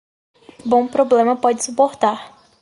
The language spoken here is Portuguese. Bom problema pode suportar